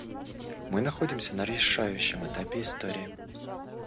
Мы находимся на решающем этапе истории.